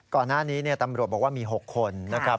ก่อนหน้านี้ตำรวจบอกว่ามี๖คนนะครับ